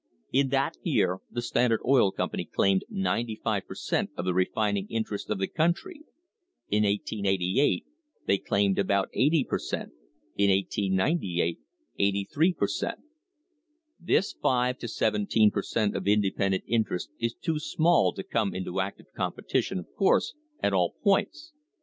In that year the Standard Oil Company claimed ninety five per cent, of the refining interests of the country. In 1888 they claimed about eighty per cent; in 1898, eighty three per cent. This five to seventeen per cent, of independent interest is too small to come into active competition, of course, at all points.